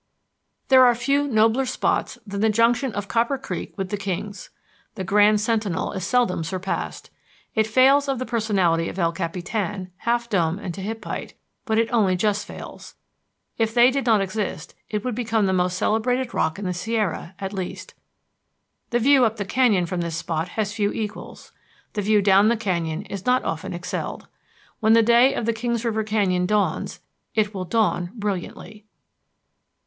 There are few nobler spots than the junction of Copper Creek with the Kings. The Grand Sentinel is seldom surpassed. It fails of the personality of El Capitan, Half Dome, and Tehipite, but it only just fails. If they did not exist, it would become the most celebrated rock in the Sierra, at least. The view up the canyon from this spot has few equals. The view down the canyon is not often excelled. When the day of the Kings River Canyon dawns, it will dawn brilliantly.